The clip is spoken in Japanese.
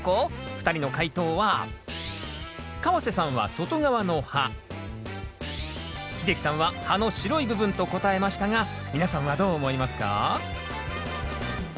２人の解答は川瀬さんは外側の葉秀樹さんは葉の白い部分と答えましたが皆さんはどう思いますか？